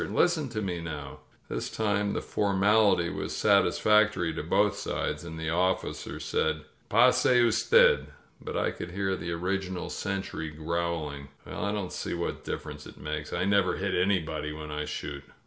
Listen to me, now." This time the formality was satisfactory to both sides and the oflScer said, Pase UstedF* But I could hear the original sentry growling, "Well, I don't see what difference it makes. I never hit anybody when I shoot.